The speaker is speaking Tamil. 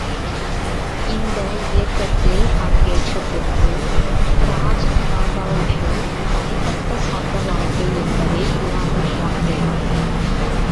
இந்த இயக்கத்தில் பங்கேற்ற பிறகு, ராஜன் பாபுவுக்குத் தனிப்பட்ட சொந்த வாழ்க்கை என்பதே இல்லாமல் போனது.